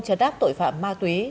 chấn áp tội phạm ma túy